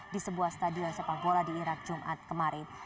di sebuah stadion sepak bola di irak jumat kemarin